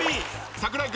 櫻井君